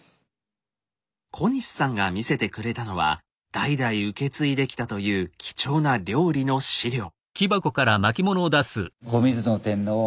小西さんが見せてくれたのは代々受け継いできたという貴重な料理の史料。